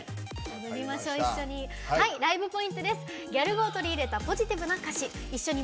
ライブポイントです。